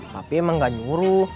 papi emang enggak nyuruh